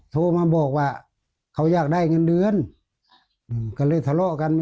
โทรมาบอกว่าเขาอยากได้เงินเดือนก็เลยทะเลาะกัน